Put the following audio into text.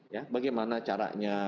ya bagaimana caranya